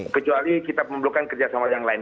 kecuali kita memerlukan kerjasama yang lain